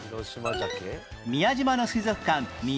宮島の水族館み